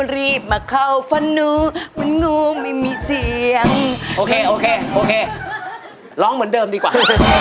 ร้องเหมือนเดิมดีกว่า